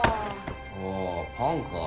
ああパンか。